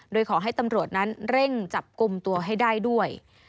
โดยขอให้ตำรวจนั้นเร่งจับกลุ่มตัวให้ได้ด้วย